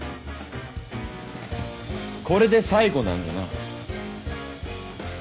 これで最後なんだな？